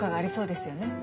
ですよね。